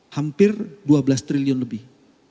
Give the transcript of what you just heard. hampir dua belas triliun lebih